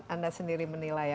anda sendiri menilai